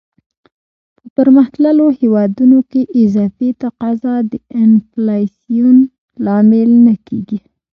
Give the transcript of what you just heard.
په پرمختللو هیوادونو کې اضافي تقاضا د انفلاسیون لامل نه کیږي.